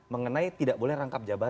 mengenai tidak boleh rangkap jabatan